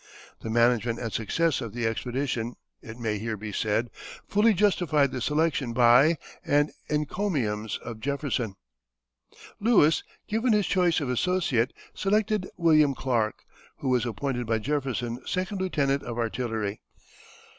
The management and success of the expedition, it may here be said, fully justified the selection by and encomiums of Jefferson. Lewis, given his choice of associate, selected William Clark, who was appointed by Jefferson second lieutenant of artillery.